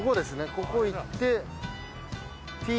ここ行って。